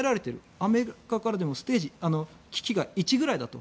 アメリカからでも危機が１ぐらいだと。